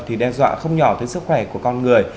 thì đe dọa không nhỏ tới sức khỏe của con người